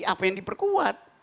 apa yang diperkuat